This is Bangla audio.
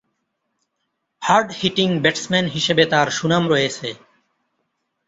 হার্ড-হিটিং ব্যাটসম্যান হিসেবে তার সুনাম রয়েছে।